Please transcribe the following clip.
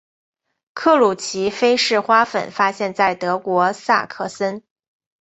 克鲁奇菲氏花粉发现在德国萨克森。